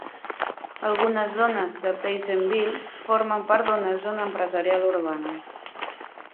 Algunes zones de Pleasantville formen part d'una Zona Empresarial Urbana.